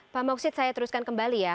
pak mausid saya teruskan kembali ya